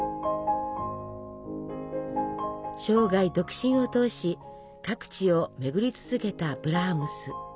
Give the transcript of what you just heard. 生涯独身を通し各地を巡り続けたブラームス。